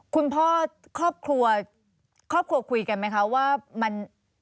คุณพ่อครอบครัวคุยกันไหมครับว่ามัน